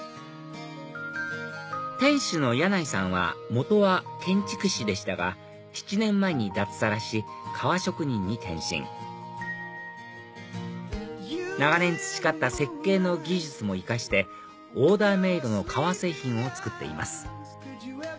店主の矢内さんは元は建築士でしたが７年前に脱サラし革職人に転身長年培った設計の技術も生かしてオーダーメイドの革製品を作っています